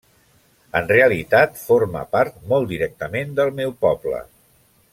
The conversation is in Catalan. En realitat forma part molt directament del meu poble.